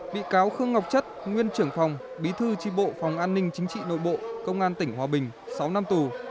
bị cáo khương ngọc chất nguyên trưởng phòng bí thư tri bộ phòng an ninh chính trị nội bộ công an tỉnh hòa bình sáu năm tù